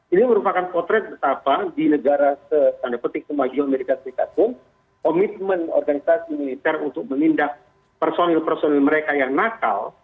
ini merupakan potret betapa di negara tanda petik kemajuan amerika serikat pun komitmen organisasi militer untuk menindak personil personil mereka yang nakal